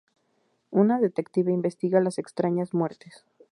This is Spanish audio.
Un detective investiga las extrañas muertes.